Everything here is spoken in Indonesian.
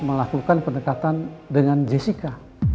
melakukan pendekatan dengan jessica